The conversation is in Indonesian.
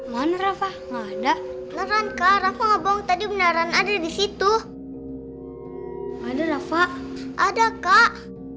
mana rafa ada ngerangka rafa ngobong tadi beneran ada di situ ada rafa ada kak